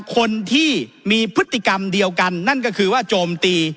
คนที่มีพฤติกรรมเดียวกันนั่นก็คือว่าโจมตี